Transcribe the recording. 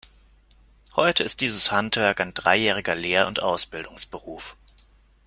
Heute ist dieses Handwerk ein dreijähriger Lehr- und Ausbildungsberuf.